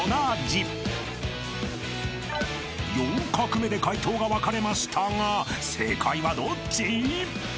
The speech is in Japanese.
［４画目で解答が分かれましたが正解はどっち？］